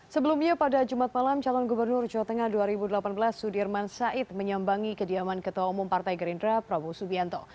sebelumnya pada jumat malam calon gubernur jawa tengah dua ribu delapan belas sudirman said menyambangi kediaman ketua umum partai gerindra prabowo subianto